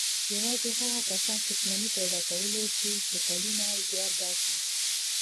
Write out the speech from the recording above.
يوازې هغه کسان شتمني پيدا کولای شي چې کلونه زيار باسي.